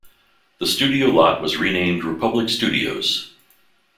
The studio lot was renamed Republic Studios.